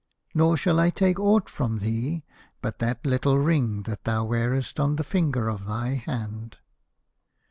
Nor shall I take aught from thee but that little ring that thou wearest on the finger of thy hand.